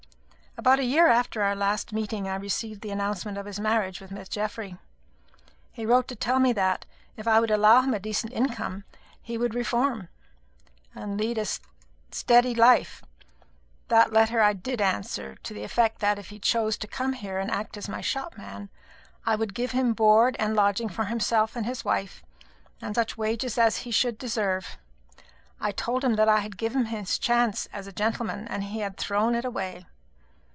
About a year after our last meeting, I received the announcement of his marriage with Miss Geoffry. He wrote to tell me that, if I would allow him a decent income, he would reform and lead a steady life. That letter I did answer: to the effect that, if he chose to come here and act as my shopman, I would give him board and lodging for himself and his wife, and such wages as he should deserve. I told him that I had given him his chance as a gentleman, and he had thrown it away.